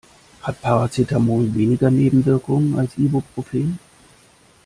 Hat Paracetamol weniger Nebenwirkungen als Ibuprofen?